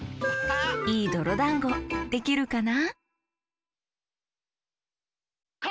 いいどろだんごできるかな？